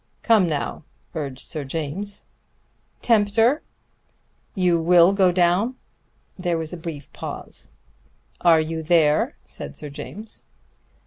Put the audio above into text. "Come now!" urged Sir James. "Tempter!" "You will go down?" There was a brief pause. "Are you there?" said Sir James.